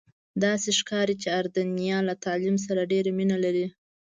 داسې ښکاري چې اردنیان له تعلیم سره ډېره مینه لري.